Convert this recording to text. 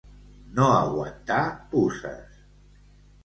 No aguantar puces.